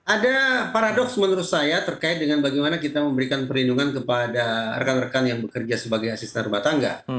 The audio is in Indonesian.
ada paradoks menurut saya terkait dengan bagaimana kita memberikan perlindungan kepada rekan rekan yang bekerja sebagai asisten rumah tangga